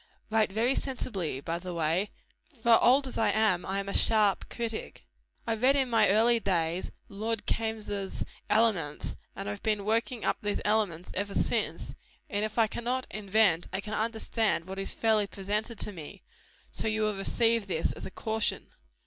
Write very sensibly, by the way; for old as I am, I am a sharp critic. I read in my early days Lord Kaimes' Elements, and I have been working up these elements ever since; and if I cannot invent, I can understand what is fairly presented to me: so you will receive this as a caution.